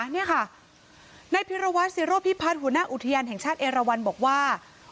นี่ค่ะนายพิรวัตรศิโรพิพัฒน์หัวหน้าอุทยานแห่งชาติเอราวันบอกว่า